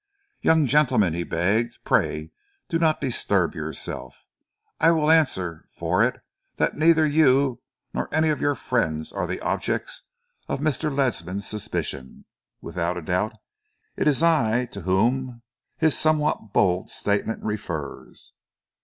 "Young gentleman," he begged, "pray do not disturb yourself. I will answer for it that neither you nor any of your friends are the objects of Mr. Ledsam's suspicion. Without a doubt, it is I to whom his somewhat bold statement refers."